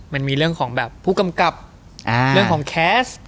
มันมีเรื่องของแบบผู้กำกับเรื่องของแคสต์